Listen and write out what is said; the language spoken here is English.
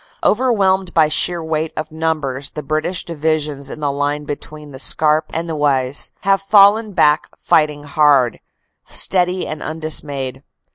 Overwhelmed by sheer weight of numbers the British Divisions in the line between the Scarpe and the Oise have fallen back fighting hard, steady and undismayed.